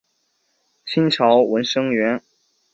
清朝文生员。